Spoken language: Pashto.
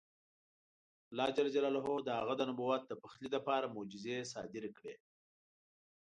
الله جل جلاله د هغه د نبوت د پخلي لپاره معجزې صادرې کړې.